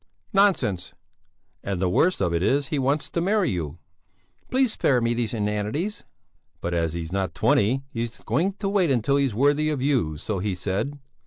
"Nonsense!" "And the worst of it is he wants to marry you!" "Please spare me these inanities!" "But as he's not twenty, he's going to wait until he's worthy of you, so he said."